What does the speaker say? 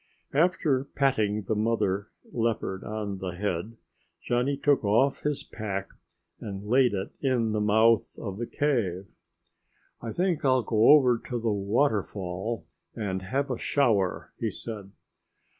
After patting the mother leopard on the head, Johnny took off his pack and laid it in the mouth of the cave. "I think I'll go over to the waterfall and have a shower," he said.